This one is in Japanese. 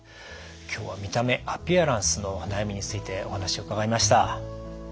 今日は「見た目『アピアランス』の悩み」についてお話を伺いました。